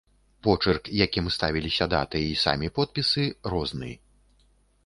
Почырк, якім ставіліся даты і самі подпісы, розны.